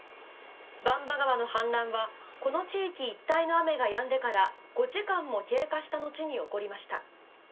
番場川の氾濫はこの地域一帯の雨がやんでから５時間も経過した後に起こりました。